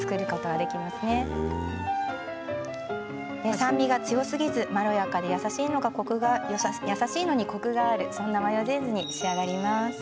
酸味が強すぎずまろやかで優しいのにコクがあるお店風のマヨネーズに仕上げてみました。